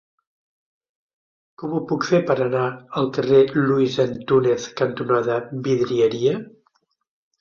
Com ho puc fer per anar al carrer Luis Antúnez cantonada Vidrieria?